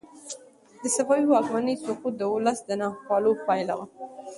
د صفوي واکمنۍ سقوط د ولس د ناخوالو پایله وه.